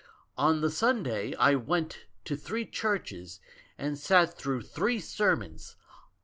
On the Sunday I went to three churches and sat through three sermons.